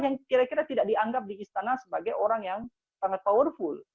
yang kira kira tidak dianggap di istana sebagai orang yang sangat powerful